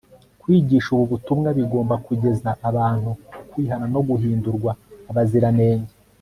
kwigisha ubu butumwa bigomba kugeza abantu ku kwihana no guhindurwa abaziranenge